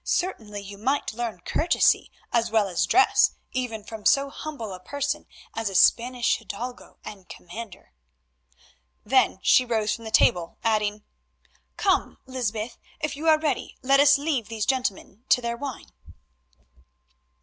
Certainly you might learn courtesy as well as dress, even from so humble a person as a Spanish hidalgo and commander." Then she rose from the table, adding—"Come, Lysbeth, if you are ready, let us leave these gentlemen to their wine."